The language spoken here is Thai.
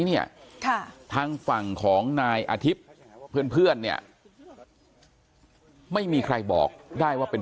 เนี่ยทางฝั่งของนายอาทิตย์เพื่อนเนี่ยไม่มีใครบอกได้ว่าเป็น